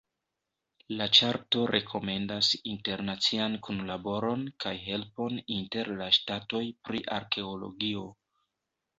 La ĉarto rekomendas internacian kunlaboron kaj helpon inter la ŝtatoj pri arkeologio.